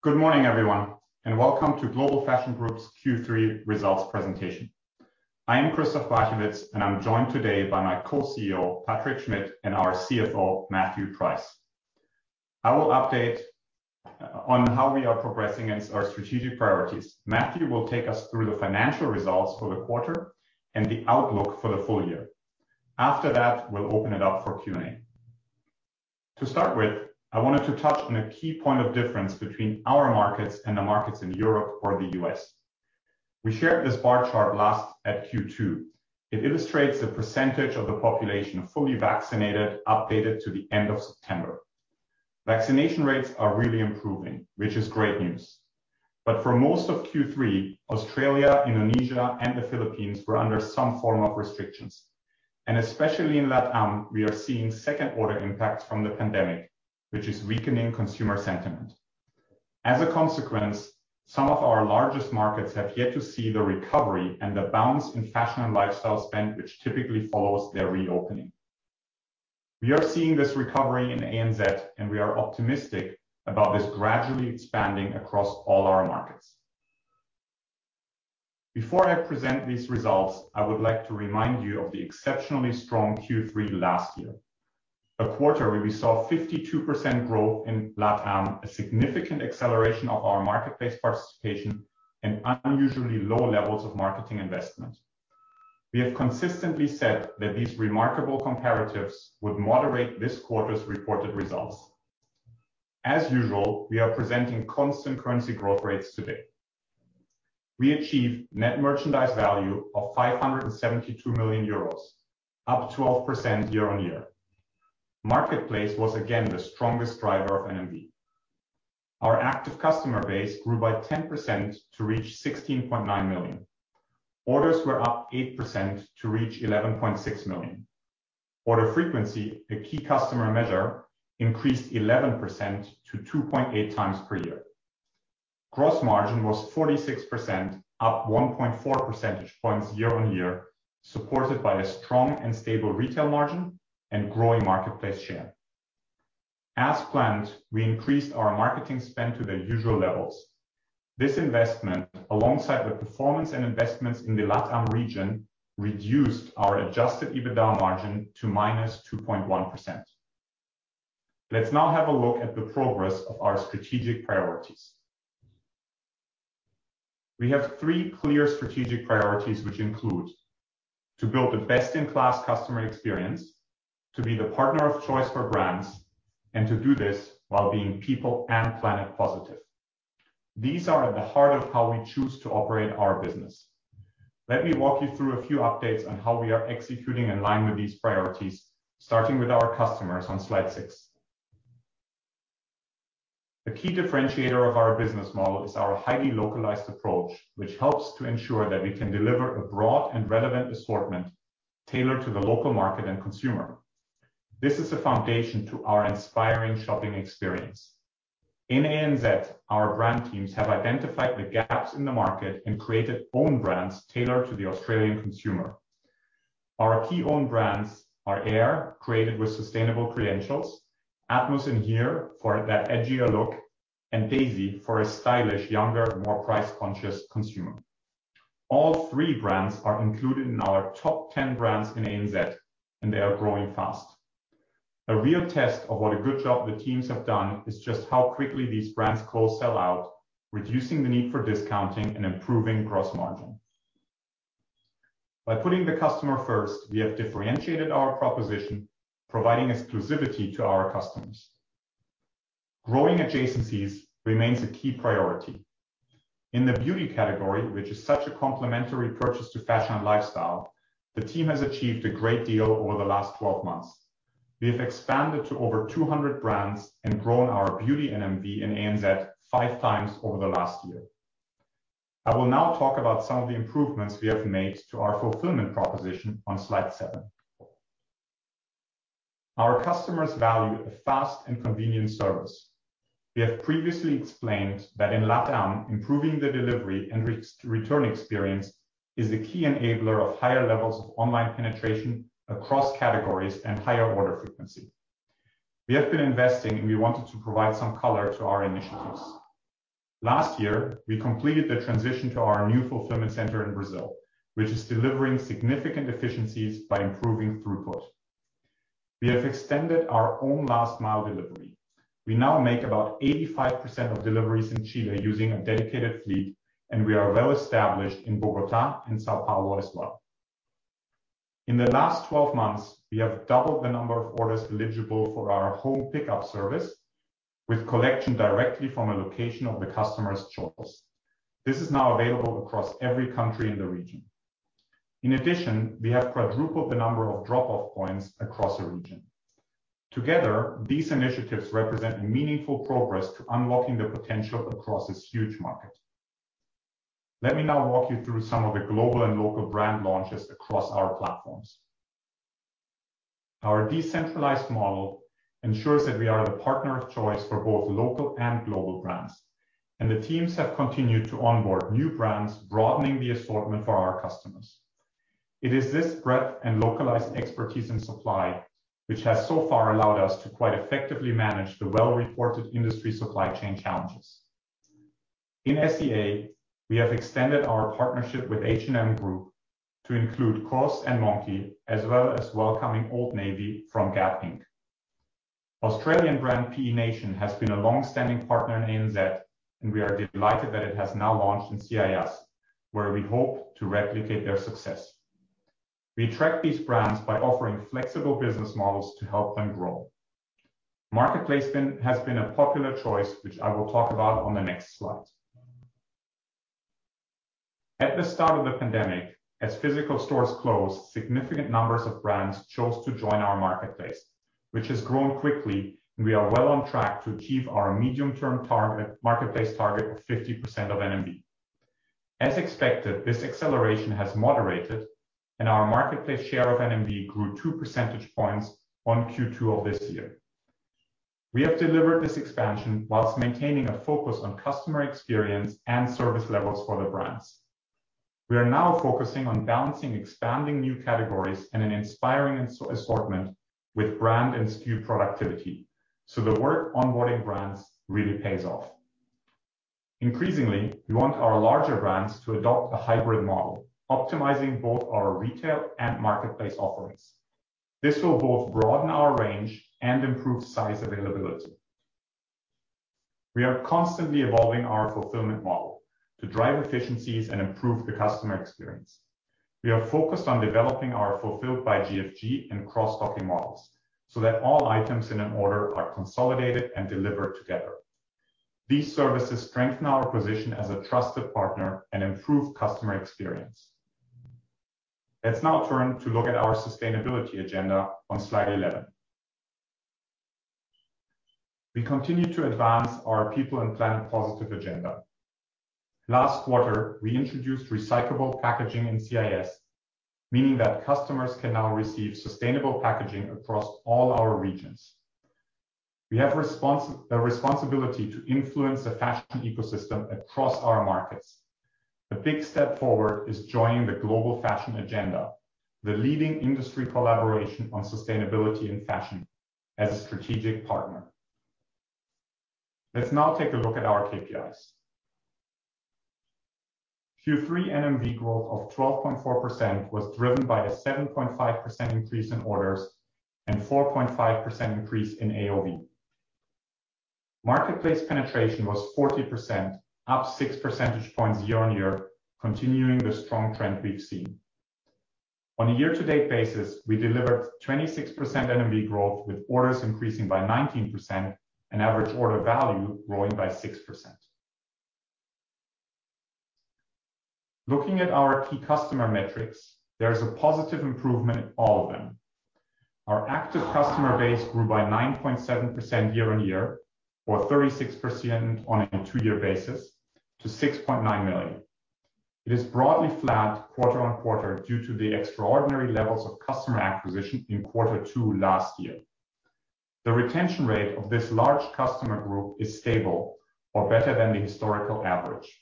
Good morning, everyone, and welcome to Global Fashion Group's Q3 Results Presentation. I am Christoph Barchewitz, and I'm joined today by my Co-CEO, Patrick Schmidt, and our CFO, Matthew Price. I will update on how we are progressing against our strategic priorities. Matthew will take us through the financial results for the quarter and the outlook for the full year. After that, we'll open it up for Q&A. To start with, I wanted to touch on a key point of difference between our markets and the markets in Europe or the U.S. We shared this bar chart last at Q2. It illustrates the percentage of the population fully vaccinated updated to the end of September. Vaccination rates are really improving, which is great news. For most of Q3, Australia, Indonesia, and the Philippines were under some form of restrictions, and especially in LatAm, we are seeing second order impacts from the pandemic, which is weakening consumer sentiment. As a consequence, some of our largest markets have yet to see the recovery and the bounce in fashion and lifestyle spend, which typically follows their reopening. We are seeing this recovery in ANZ, and we are optimistic about this gradually expanding across all our markets. Before I present these results, I would like to remind you of the exceptionally strong Q3 last year, a quarter where we saw 52% growth in LatAm, a significant acceleration of our marketplace participation, and unusually low levels of marketing investment. We have consistently said that these remarkable comparatives would moderate this quarter's reported results. As usual, we are presenting constant currency growth rates today. We achieved net merchandise value of 572 million euros, up 12% year-on-year. Marketplace was again the strongest driver of NMV. Our active customer base grew by 10% to reach 16.9 million. Orders were up 8% to reach 11.6 million. Order frequency, a key customer measure, increased 11% to 2.8x per year. Gross margin was 46%, up 1.4 percentage points year-on-year, supported by a strong and stable retail margin and growing marketplace share. As planned, we increased our marketing spend to the usual levels. This investment, alongside the performance and investments in the LatAm region, reduced our adjusted EBITDA margin to -2.1%. Let's now have a look at the progress of our strategic priorities. We have three clear strategic priorities, which include to build a best-in-class customer experience, to be the partner of choice for brands, and to do this while being people and planet positive. These are at the heart of how we choose to operate our business. Let me walk you through a few updates on how we are executing in line with these priorities, starting with our customers on slide six. A key differentiator of our business model is our highly localized approach, which helps to ensure that we can deliver a broad and relevant assortment tailored to the local market and consumer. This is the foundation to our inspiring shopping experience. In ANZ, our brand teams have identified the gaps in the market and created own brands tailored to the Australian consumer. Our key own brands are AERE, created with sustainable credentials, Atmos&Here for that edgier look, and Dazie for a stylish, younger, more price-conscious consumer. All three brands are included in our top 10 brands in ANZ, and they are growing fast. A real test of what a good job the teams have done is just how quickly these brands sell out, reducing the need for discounting and improving gross margin. By putting the customer first, we have differentiated our proposition, providing exclusivity to our customers. Growing adjacencies remains a key priority. In the beauty category, which is such a complementary purchase to fashion and lifestyle, the team has achieved a great deal over the last 12 months. We have expanded to over 200 brands and grown our beauty NMV in ANZ 5x over the last year. I will now talk about some of the improvements we have made to our fulfillment proposition on slide 7. Our customers value a fast and convenient service. We have previously explained that in LatAm, improving the delivery and re-return experience is a key enabler of higher levels of online penetration across categories and higher order frequency. We have been investing, and we wanted to provide some color to our initiatives. Last year, we completed the transition to our new fulfillment center in Brazil, which is delivering significant efficiencies by improving throughput. We have extended our own last mile delivery. We now make about 85% of deliveries in Chile using a dedicated fleet, and we are well established in Bogotá and São Paulo as well. In the last 12 months, we have doubled the number of orders eligible for our home pickup service with collection directly from a location of the customer's choice. This is now available across every country in the region. In addition, we have quadrupled the number of drop-off points across the region. Together, these initiatives represent a meaningful progress to unlocking the potential across this huge market. Let me now walk you through some of the global and local brand launches across our platforms. Our decentralized model ensures that we are the partner of choice for both local and global brands, and the teams have continued to onboard new brands, broadening the assortment for our customers. It is this breadth and localized expertise in supply which has so far allowed us to quite effectively manage the well-reported industry supply chain challenges. In SEA, we have extended our partnership with H&M Group to include COS and Monki, as well as welcoming Old Navy from Gap Inc. Australian brand P.E Nation has been a long-standing partner in ANZ, and we are delighted that it has now launched in CIS, where we hope to replicate their success. We attract these brands by offering flexible business models to help them grow. Marketplace has been a popular choice, which I will talk about on the next slide. At the start of the pandemic, as physical stores closed, significant numbers of brands chose to join our marketplace, which has grown quickly, and we are well on track to achieve our medium-term target, marketplace target of 50% of NMV. As expected, this acceleration has moderated, and our marketplace share of NMV grew 2 percentage points on Q2 of this year. We have delivered this expansion while maintaining a focus on customer experience and service levels for the brands. We are now focusing on balancing expanding new categories and an inspiring and size assortment with brand and SKU productivity, so the work onboarding brands really pays off. Increasingly, we want our larger brands to adopt a hybrid model, optimizing both our retail and marketplace offerings. This will both broaden our range and improve size availability. We are constantly evolving our fulfillment model to drive efficiencies and improve the customer experience. We are focused on developing our fulfilled by GFG and cross-docking models so that all items in an order are consolidated and delivered together. These services strengthen our position as a trusted partner and improve customer experience. Let's now turn to look at our sustainability agenda on slide 11. We continue to advance our people and planet positive agenda. Last quarter, we introduced recyclable packaging in CIS, meaning that customers can now receive sustainable packaging across all our regions. We have a responsibility to influence the fashion ecosystem across our markets. A big step forward is joining the Global Fashion Agenda, the leading industry collaboration on sustainability and fashion as a strategic partner. Let's now take a look at our KPIs. Q3 NMV growth of 12.4% was driven by the 7.5% increase in orders and 4.5% increase in AOV. Marketplace penetration was 40%, up six percentage points year-on-year, continuing the strong trend we've seen. On a year-to-date basis, we delivered 26% NMV growth, with orders increasing by 19% and average order value growing by 6%. Looking at our key customer metrics, there is a positive improvement in all of them. Our active customer base grew by 9.7% year-on-year or 36% on a two-year basis to 6.9 million. It is broadly flat quarter-on-quarter due to the extraordinary levels of customer acquisition in quarter two last year. The retention rate of this large customer group is stable or better than the historical average.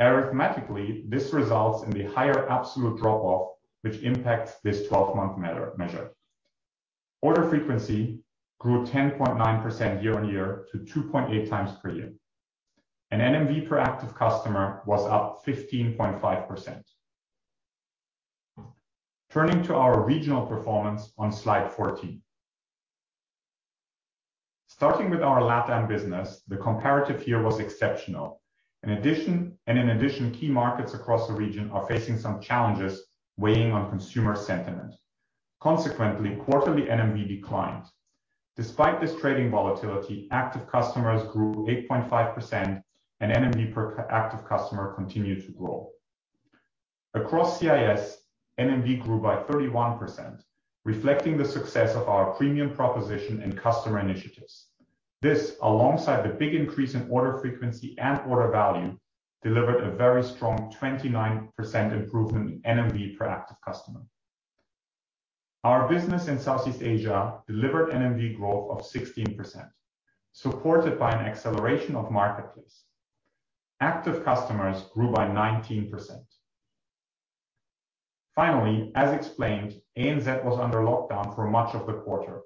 Arithmetically, this results in the higher absolute drop-off which impacts this twelve-month measure. Order frequency grew 10.9% year-on-year to 2.8x per year, and NMV per active customer was up 15.5%. Turning to our regional performance on slide 14. Starting with our LatAm business, the comparative year was exceptional. In addition, key markets across the region are facing some challenges weighing on consumer sentiment. Consequently, quarterly NMV declined. Despite this trading volatility, active customers grew 8.5% and NMV per active customer continued to grow. Across CIS, NMV grew by 31%, reflecting the success of our premium proposition and customer initiatives. This, alongside the big increase in order frequency and order value, delivered a very strong 29% improvement in NMV per active customer. Our business in Southeast Asia delivered NMV growth of 16%, supported by an acceleration of marketplace. Active customers grew by 19%. Finally, as explained, ANZ was under lockdown for much of the quarter.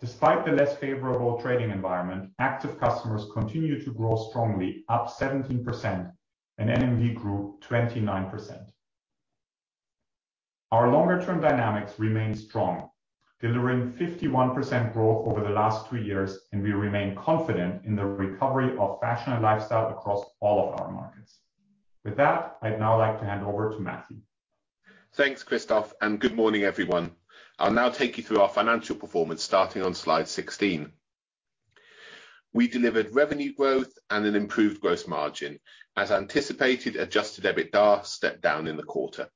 Despite the less favorable trading environment, active customers continued to grow strongly, up 17% and NMV grew 29%. Our longer-term dynamics remain strong, delivering 51% growth over the last two years, and we remain confident in the recovery of fashion and lifestyle across all of our markets. With that, I'd now like to hand over to Matthew. Thanks, Christoph, and good morning, everyone. I'll now take you through our financial performance starting on slide 16. We delivered revenue growth and an improved gross margin. As anticipated, adjusted EBITDA stepped down in the quarter.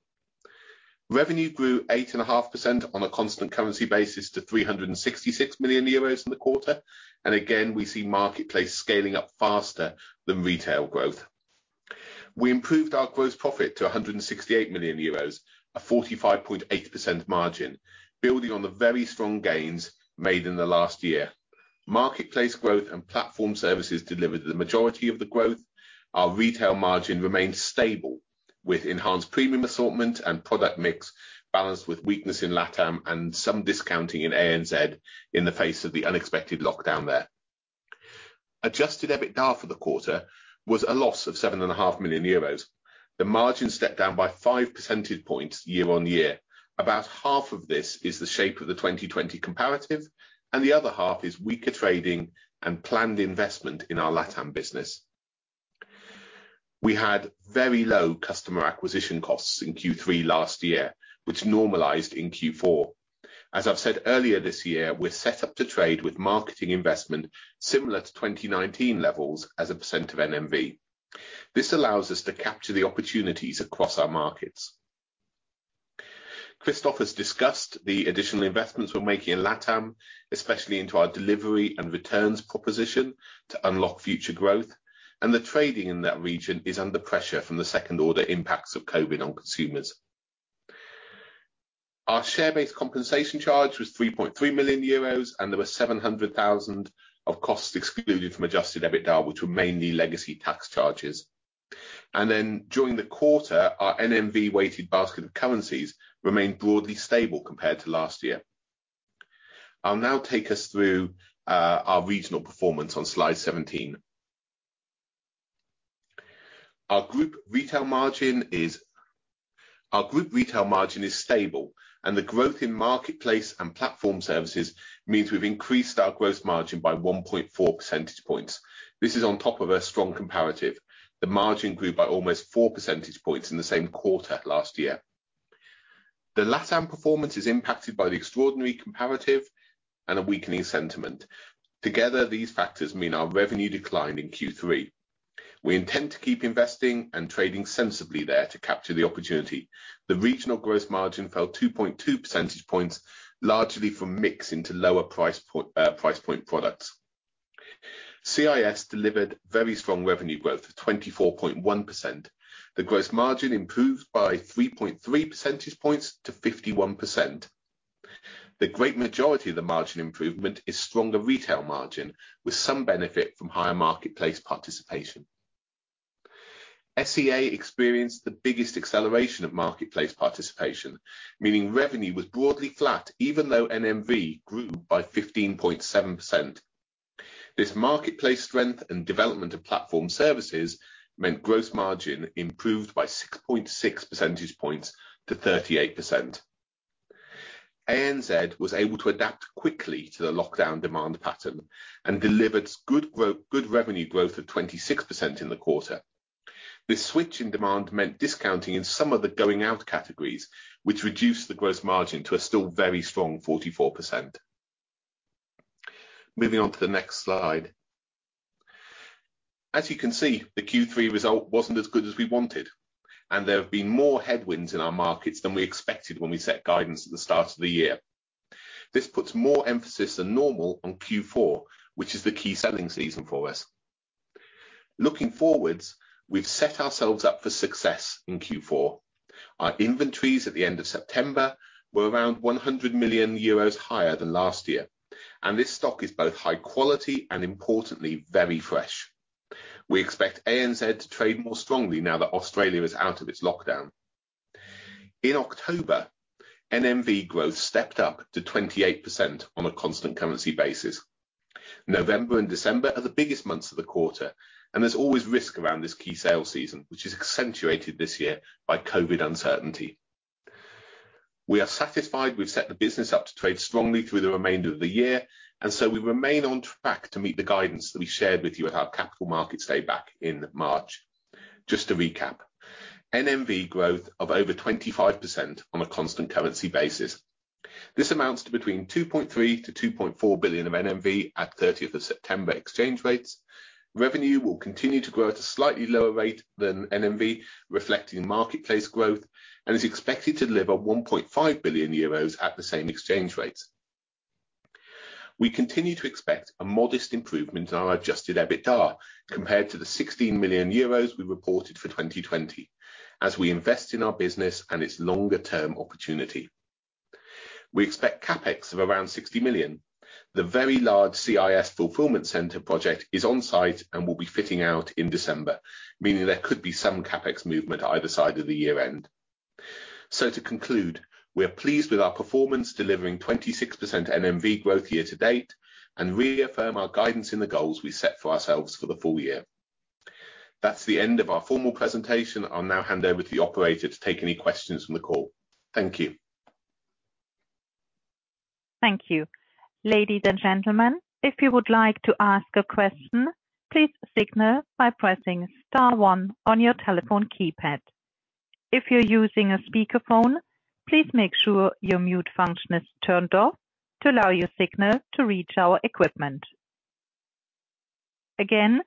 Revenue grew 8.5% on a constant currency basis to 366 million euros in the quarter. Again, we see marketplace scaling up faster than retail growth. We improved our gross profit to 168 million euros, a 45.8% margin, building on the very strong gains made in the last year. Marketplace growth and platform services delivered the majority of the growth. Our retail margin remains stable with enhanced premium assortment and product mix balanced with weakness in LatAm and some discounting in ANZ in the face of the unexpected lockdown there. Adjusted EBITDA for the quarter was a loss of seven and a half million euros. The margin stepped down by 5 percentage points year-over-year. About half of this is the shape of the 2020 comparative, and the other half is weaker trading and planned investment in our LatAm business. We had very low customer acquisition costs in Q3 last year, which normalized in Q4. As I've said earlier this year, we're set up to trade with marketing investment similar to 2019 levels as a % of NMV. This allows us to capture the opportunities across our markets. Christoph has discussed the additional investments we're making in LatAm, especially into our delivery and returns proposition to unlock future growth, and the trading in that region is under pressure from the second-order impacts of COVID on consumers. Our share-based compensation charge was 3.3 million euros and there were 700,000 of costs excluded from adjusted EBITDA, which were mainly legacy tax charges. During the quarter, our NMV-weighted basket of currencies remained broadly stable compared to last year. I'll now take us through our regional performance on slide 17. Our group retail margin is stable and the growth in marketplace and platform services means we've increased our gross margin by 1.4 percentage points. This is on top of a strong comparative. The margin grew by almost 4 percentage points in the same quarter last year. The LatAm performance is impacted by the extraordinary comparative and a weakening sentiment. Together, these factors mean our revenue declined in Q3. We intend to keep investing and trading sensibly there to capture the opportunity. The regional gross margin fell 2.2 percentage points, largely from mix into lower price point products. CIS delivered very strong revenue growth of 24.1%. The gross margin improved by 3.3 percentage points to 51%. The great majority of the margin improvement is stronger retail margin with some benefit from higher marketplace participation. SEA experienced the biggest acceleration of marketplace participation, meaning revenue was broadly flat even though NMV grew by 15.7%. This marketplace strength and development of platform services meant gross margin improved by 6.6 percentage points to 38%. ANZ was able to adapt quickly to the lockdown demand pattern and delivered good revenue growth of 26% in the quarter. This switch in demand meant discounting in some of the going out categories, which reduced the gross margin to a still very strong 44%. Moving on to the next slide. As you can see, the Q3 result wasn't as good as we wanted, and there have been more headwinds in our markets than we expected when we set guidance at the start of the year. This puts more emphasis than normal on Q4, which is the key selling season for us. Looking forwards, we've set ourselves up for success in Q4. Our inventories at the end of September were around 100 million euros higher than last year, and this stock is both high quality and importantly, very fresh. We expect ANZ to trade more strongly now that Australia is out of its lockdown. In October, NMV growth stepped up to 28% on a constant currency basis. November and December are the biggest months of the quarter, and there's always risk around this key sales season, which is accentuated this year by COVID uncertainty. We are satisfied we've set the business up to trade strongly through the remainder of the year, so we remain on track to meet the guidance that we shared with you at our Capital Markets Day back in March. Just to recap, NMV growth of over 25% on a constant currency basis. This amounts to between 2.3 billion-2.4 billion of NMV at 30th of September exchange rates. Revenue will continue to grow at a slightly lower rate than NMV, reflecting marketplace growth, and is expected to deliver 1.5 billion euros at the same exchange rates. We continue to expect a modest improvement in our adjusted EBITDA compared to the 16 million euros we reported for 2020 as we invest in our business and its longer term opportunity. We expect CapEx of around 60 million. The very large CIS fulfillment center project is on-site and will be fitting out in December, meaning there could be some CapEx movement either side of the year-end. To conclude, we are pleased with our performance delivering 26% NMV growth year to date and reaffirm our guidance in the goals we set for ourselves for the full year. That's the end of our formal presentation. I'll now hand over to the operator to take any questions from the call. Thank you. Thank you. Ladies and gentlemen, if you would like to ask a question, please signal by pressing star one on your telephone keypad. If you're using a speakerphone, please make sure your mute function is turned off to allow your signal to reach our equipment. Again,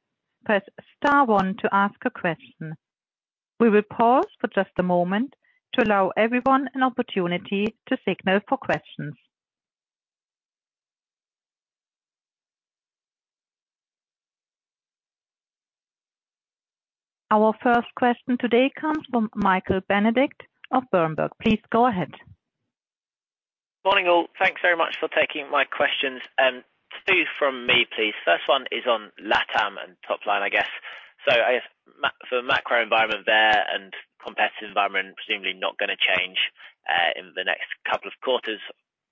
press star one to ask a question. We will pause for just a moment to allow everyone an opportunity to signal for questions. Our first question today comes from Michael Benedict of Berenberg. Please go ahead. Morning, all. Thanks very much for taking my questions. Two from me, please. First one is on LatAm and top line, I guess. I guess for the macro environment there and competitive environment presumably not gonna change in the next couple of quarters.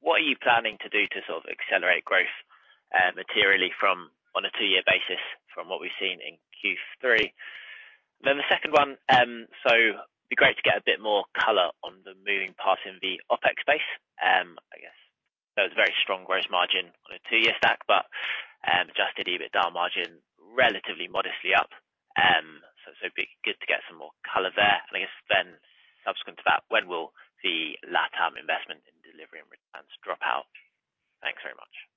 What are you planning to do to sort of accelerate growth materially from on a two-year basis from what we've seen in Q3? The second one, so it'd be great to get a bit more color on the moving parts in the OpEx space. I guess that was a very strong growth margin on a two-year stack, but adjusted EBITDA margin relatively modestly up. So it'd be good to get some more color there. I guess subsequent to that, when will the LatAm investment in delivery and returns drop out? Thanks very much.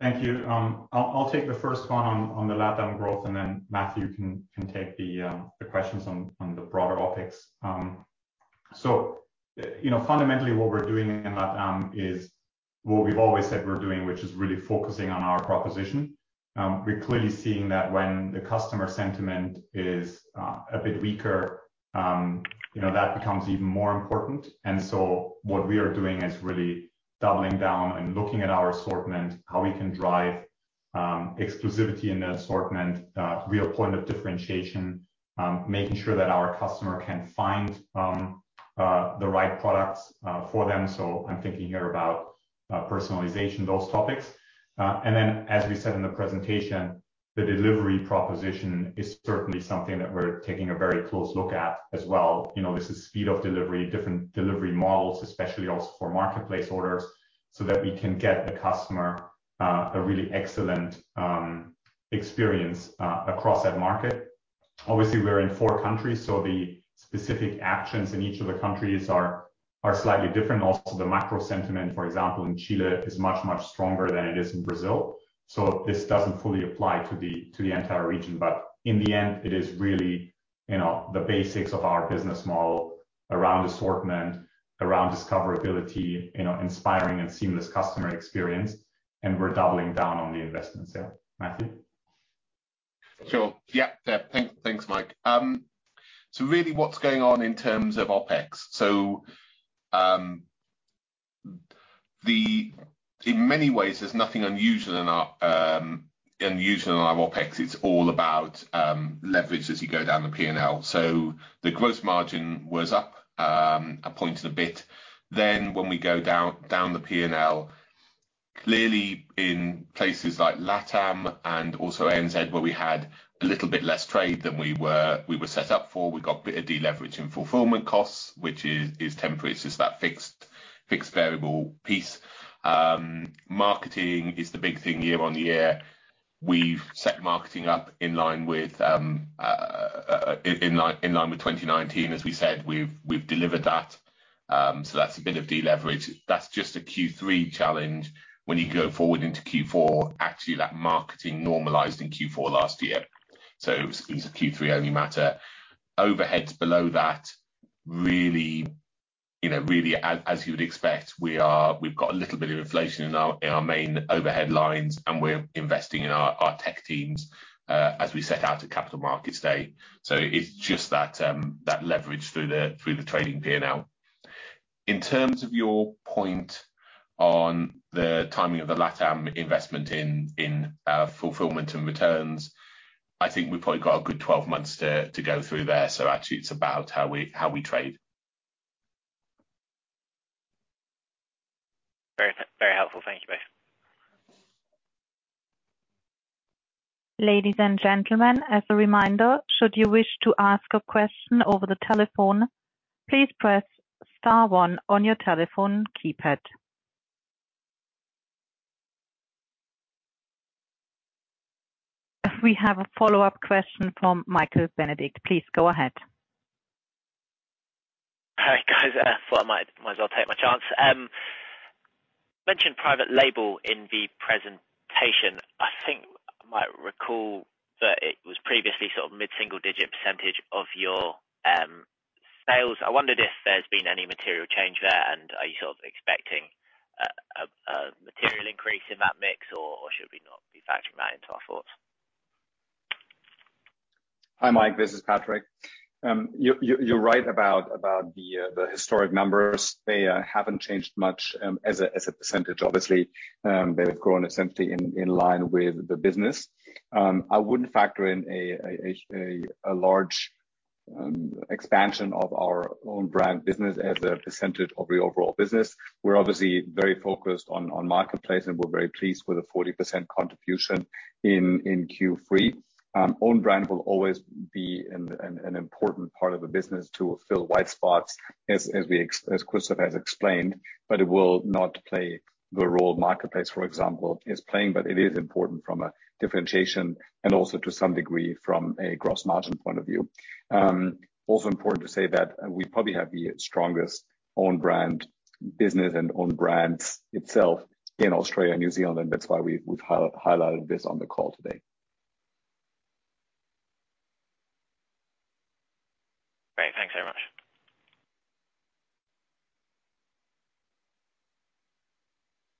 Thank you. I'll take the first one on the LatAm growth, and then Matthew can take the questions on the broader OpEx. You know, fundamentally what we're doing in LatAm is what we've always said we're doing, which is really focusing on our proposition. We're clearly seeing that when the customer sentiment is a bit weaker, you know, that becomes even more important. What we are doing is really doubling down and looking at our assortment, how we can drive exclusivity in the assortment, real point of differentiation, making sure that our customer can find the right products for them. I'm thinking here about personalization, those topics. as we said in the presentation, the delivery proposition is certainly something that we're taking a very close look at as well. You know, this is speed of delivery, different delivery models, especially also for marketplace orders, so that we can get the customer a really excellent experience across that market. Obviously, we're in four countries, so the specific actions in each of the countries are slightly different. Also, the macro sentiment, for example, in Chile is much stronger than it is in Brazil, so this doesn't fully apply to the entire region. In the end, it is really, you know, the basics of our business model around assortment, around discoverability, you know, inspiring and seamless customer experience, and we're doubling down on the investment sale. Matthew? Sure. Yeah. Thanks, Mike. Really what's going on in terms of OpEx. In many ways, there's nothing unusual in our OpEx. It's all about leverage as you go down the P&L. The gross margin was up a point and a bit. When we go down the P&L, clearly in places like LatAm and also ANZ, where we had a little bit less trade than we were set up for, we got a bit of deleverage in fulfillment costs, which is temporary. It's just that fixed variable piece. Marketing is the big thing year on year. We've set marketing up in line with 2019, as we said. We've delivered that, so that's a bit of deleverage. That's just a Q3 challenge. When you go forward into Q4, actually that marketing normalized in Q4 last year, so it was a Q3 only matter. Overheads below that, really, you know, really as you would expect, we've got a little bit of inflation in our main overhead lines, and we're investing in our tech teams, as we set out at Capital Markets Day. So it's just that leverage through the trading P&L. In terms of your point on the timing of the LatAm investment in fulfillment and returns, I think we've probably got a good 12 months to go through there. So actually it's about how we trade. Very, very helpful. Thank you both. Ladies and gentlemen, as a reminder, should you wish to ask a question over the telephone, please press star one on your telephone keypad. We have a follow-up question from Michael Benedict. Please go ahead. All right, guys. Thought I might as well take my chance. You mentioned private label in the presentation. I think I might recall that it was previously sort of mid-single digit percentage of your sales. I wondered if there's been any material change there and are you sort of expecting a material increase in that mix or should we not be factoring that into our thoughts? Hi, Mike, this is Patrick. You're right about the historical numbers. They haven't changed much as a percentage, obviously. They've grown essentially in line with the business. I wouldn't factor in a large expansion of our own brand business as a percentage of the overall business. We're obviously very focused on marketplace, and we're very pleased with the 40% contribution in Q3. Own brand will always be an important part of the business to fill white spots as Christoph has explained, but it will not play the role marketplace, for example, is playing. It is important from a differentiation and also to some degree from a gross margin point of view. Also important to say that we probably have the strongest own brand business and own brands itself in Australia and New Zealand, and that's why we've highlighted this on the call today.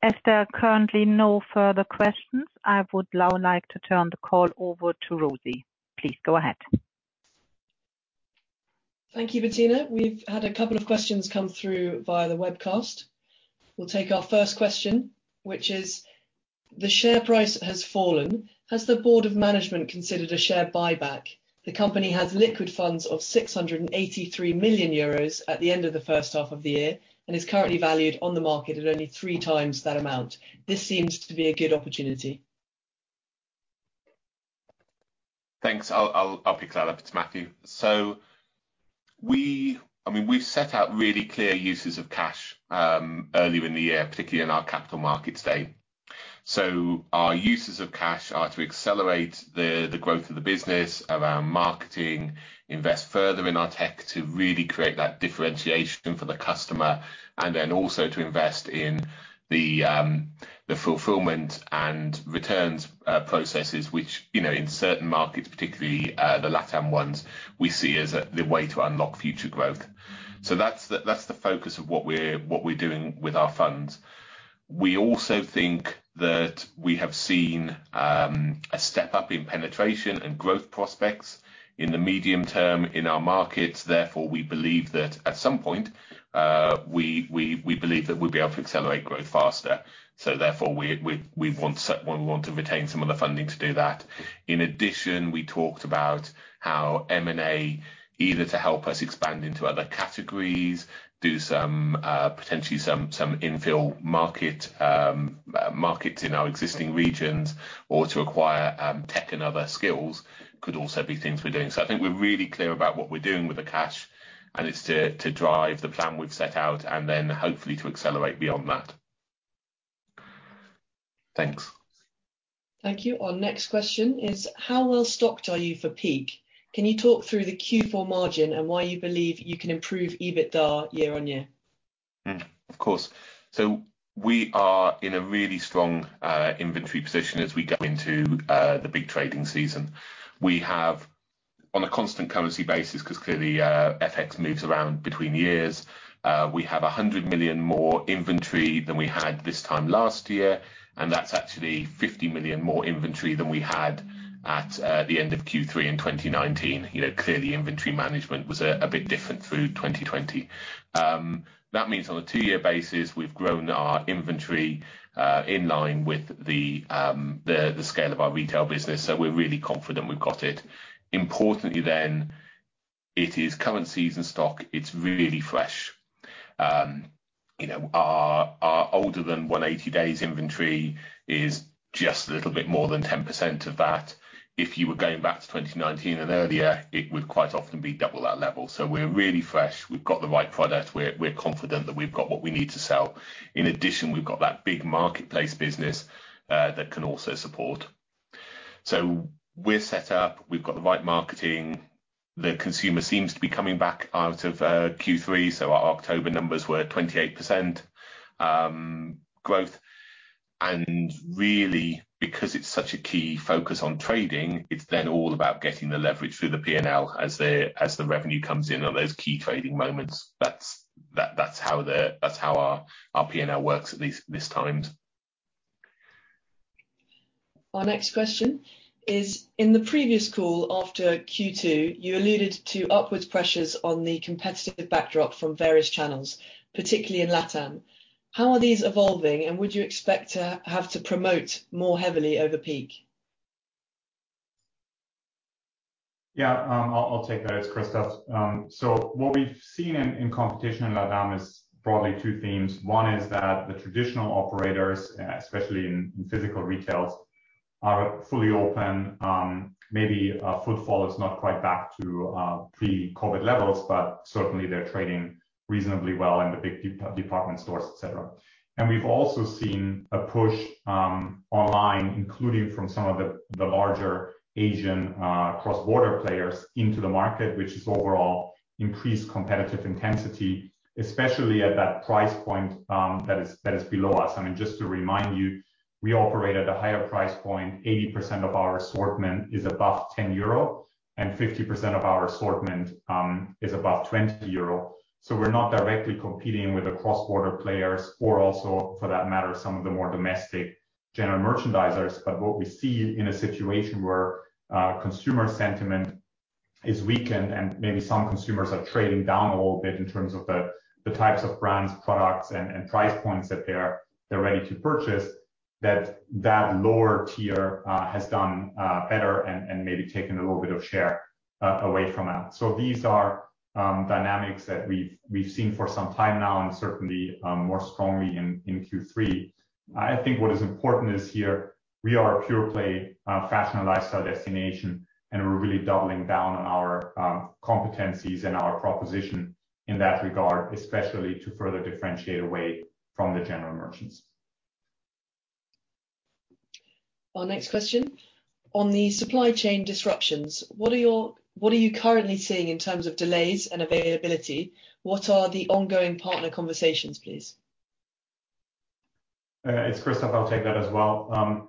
Great. Thanks. As there are currently no further questions, I would now like to turn the call over to Rosie. Please go ahead. Thank you, Bettina. We've had a couple of questions come through via the webcast. We'll take our first question, which is: The share price has fallen. Has the board of management considered a share buyback? The company has liquid funds of 683 million euros at the end of the first half of the year and is currently valued on the market at only 3x that amount. This seems to be a good opportunity. Thanks. I'll pick that up. It's Matthew. I mean, we've set out really clear uses of cash earlier in the year, particularly in our Capital Markets Day. Our uses of cash are to accelerate the growth of the business around marketing, invest further in our tech to really create that differentiation for the customer, and then also to invest in the fulfillment and returns processes which, you know, in certain markets, particularly the LatAm ones, we see as the way to unlock future growth. That's the focus of what we're doing with our funds. We also think that we have seen a step up in penetration and growth prospects in the medium term in our markets. Therefore, we believe that at some point we believe that we'll be able to accelerate growth faster. Therefore, we want to retain some of the funding to do that. In addition, we talked about how M&A, either to help us expand into other categories, do some potentially some infill market markets in our existing regions or to acquire tech and other skills, could also be things we're doing. I think we're really clear about what we're doing with the cash, and it's to drive the plan we've set out and then hopefully to accelerate beyond that. Thanks. Thank you. Our next question is: How well stocked are you for peak? Can you talk through the Q4 margin and why you believe you can improve EBITDA year-over-year? Of course. We are in a really strong inventory position as we go into the big trading season. We have on a constant currency basis, 'cause clearly FX moves around between years, we have 100 million more inventory than we had this time last year, and that's actually 50 million more inventory than we had at the end of Q3 in 2019. You know, clearly inventory management was a bit different through 2020. That means on a two-year basis, we've grown our inventory in line with the scale of our retail business. We're really confident we've got it. Importantly then, it is current season stock. It's really fresh. You know, our older than 180 days inventory is just a little bit more than 10% of that. If you were going back to 2019 and earlier, it would quite often be double that level. We're really fresh. We've got the right product. We're confident that we've got what we need to sell. In addition, we've got that big marketplace business that can also support. We're set up. We've got the right marketing. The consumer seems to be coming back out of Q3, so our October numbers were 28% growth. Really, because it's such a key focus on trading, it's then all about getting the leverage through the P&L as the revenue comes in on those key trading moments. That's how our P&L works at this time. Our next question is. In the previous call after Q2, you alluded to upward pressures on the competitive backdrop from various channels, particularly in LatAm. How are these evolving, and would you expect to have to promote more heavily over peak? Yeah. I'll take that. It's Christoph. So what we've seen in competition in LatAm is broadly two themes. One is that the traditional operators, especially in physical retail, are fully open. Maybe footfall is not quite back to pre-COVID levels, but certainly they're trading reasonably well in the big department stores, etc. We've also seen a push online, including from some of the larger Asian cross-border players into the market, which is overall increased competitive intensity, especially at that price point that is below us. I mean, just to remind you, we operate at a higher price point. 80% of our assortment is above 10 euro, and 50% of our assortment is above 20 euro. We're not directly competing with the cross-border players or also, for that matter, some of the more domestic general merchandisers. What we see in a situation where consumer sentiment is weakened and maybe some consumers are trading down a little bit in terms of the types of brands, products, and price points that they're ready to purchase, that lower tier has done better and maybe taken a little bit of share away from us. These are dynamics that we've seen for some time now and certainly more strongly in Q3. I think what is important is, here we are a pure play fashion and lifestyle destination, and we're really doubling down on our competencies and our proposition in that regard, especially to further differentiate away from the general merchants. Our next question: On the supply chain disruptions, what are you currently seeing in terms of delays and availability? What are the ongoing partner conversations, please? It's Christoph. I'll take that as well.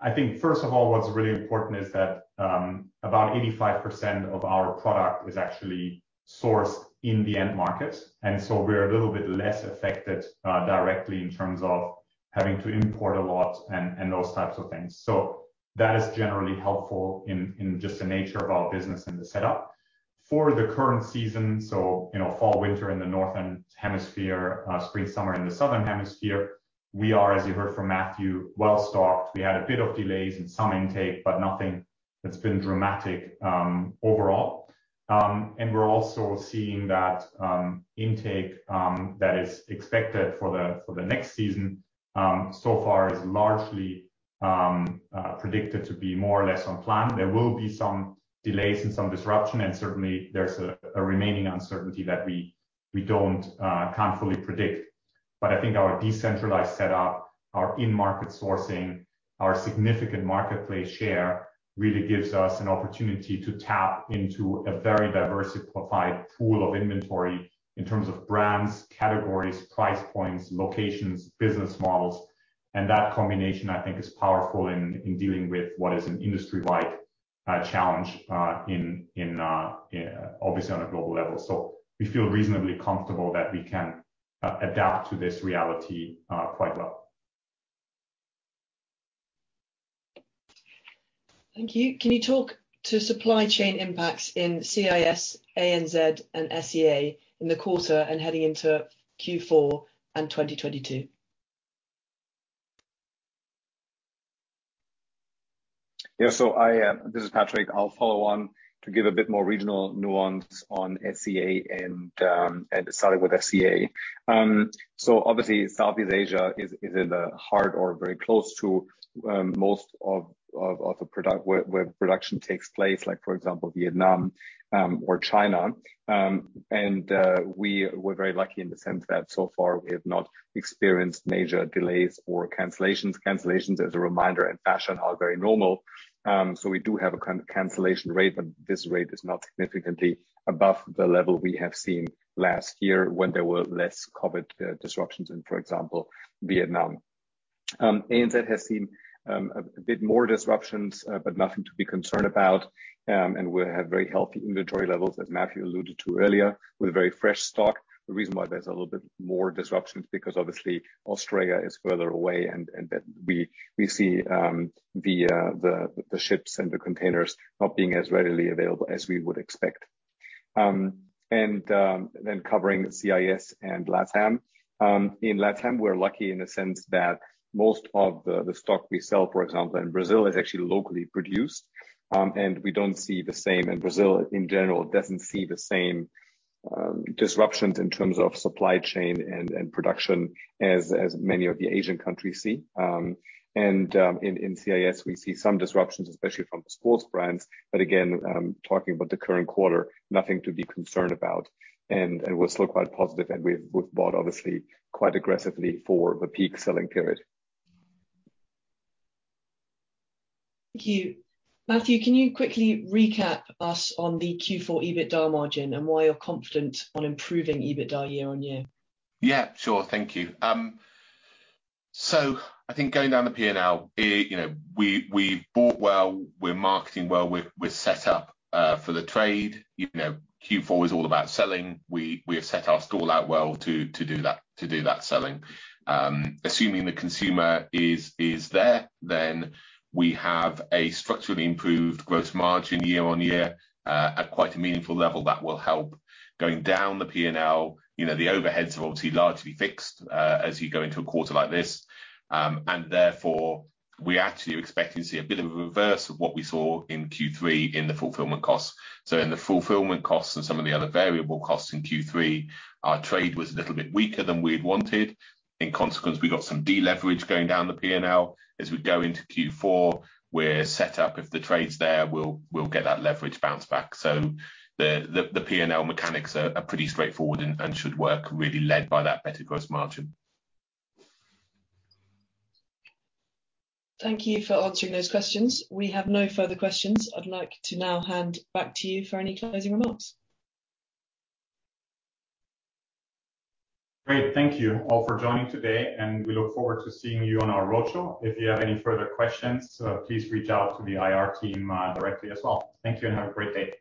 I think first of all, what's really important is that about 85% of our product is actually sourced in the end market, and so we're a little bit less affected directly in terms of having to import a lot and those types of things. That is generally helpful in just the nature of our business and the setup. For the current season, you know, fall, winter in the northern hemisphere, spring, summer in the southern hemisphere, we are, as you heard from Matthew, well-stocked. We had a bit of delays in some intake, but nothing that's been dramatic, overall. We're also seeing that intake that is expected for the next season so far is largely predicted to be more or less on plan. There will be some delays and some disruption, and certainly there's a remaining uncertainty that we can't fully predict. I think our decentralized setup, our in-market sourcing, our significant marketplace share really gives us an opportunity to tap into a very diversified pool of inventory in terms of brands, categories, price points, locations, business models, and that combination, I think, is powerful in dealing with what is an industry-wide challenge in obviously on a global level. We feel reasonably comfortable that we can adapt to this reality quite well. Thank you. Can you talk to supply chain impacts in CIS, ANZ, and SEA in the quarter and heading into Q4 and 2022? This is Patrick. I'll follow on to give a bit more regional nuance on SEA and starting with SEA. Obviously Southeast Asia is in the heart or very close to most of the product where production takes place like, for example, Vietnam or China. We were very lucky in the sense that so far we have not experienced major delays or cancellations. Cancellations, as a reminder, in fashion are very normal. We do have a cancellation rate, but this rate is not significantly above the level we have seen last year when there were less COVID disruptions in, for example, Vietnam. ANZ has seen a bit more disruptions, but nothing to be concerned about. We have very healthy inventory levels, as Matthew alluded to earlier, with very fresh stock. The reason why there's a little bit more disruptions, because obviously Australia is further away and then we see the ships and the containers not being as readily available as we would expect. Then covering CIS and Latam. In Latam, we're lucky in the sense that most of the stock we sell, for example, in Brazil is actually locally produced, and we don't see the same, and Brazil in general doesn't see the same disruptions in terms of supply chain and production as many of the Asian countries see. In CIS, we see some disruptions, especially from the sports brands. But again, talking about the current quarter, nothing to be concerned about. We're still quite positive, and we've bought obviously quite aggressively for the peak selling period. Thank you. Matthew, can you quickly recap us on the Q4 EBITDA margin and why you're confident on improving EBITDA year-over-year? Yeah, sure. Thank you. I think going down the P&L, it, you know, we've bought well, we're marketing well, we're set up for the trade. You know, Q4 is all about selling. We have set our stall out well to do that selling. Assuming the consumer is there, then we have a structurally improved gross margin year on year at quite a meaningful level that will help going down the P&L. You know, the overheads are obviously largely fixed as you go into a quarter like this. Therefore, we actually are expecting to see a bit of a reverse of what we saw in Q3 in the fulfillment costs. In the fulfillment costs and some of the other variable costs in Q3, our trade was a little bit weaker than we'd wanted. In consequence, we got some deleverage going down the P&L. As we go into Q4, we're set up. If the trade's there, we'll get that leverage bounce back. The P&L mechanics are pretty straightforward and should work really led by that better gross margin. Thank you for answering those questions. We have no further questions. I'd like to now hand back to you for any closing remarks. Great. Thank you all for joining today, and we look forward to seeing you on our roadshow. If you have any further questions, please reach out to the IR team, directly as well. Thank you, and have a great day.